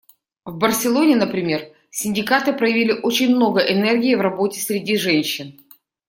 В Барселоне, например, синдикаты проявили очень много энергии в работе среди женщин.